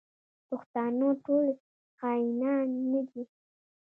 پښتانه ټول خاینان نه دي.